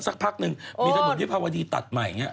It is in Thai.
สักพักนึงมีถนนวิภาวดีตัดใหม่อย่างนี้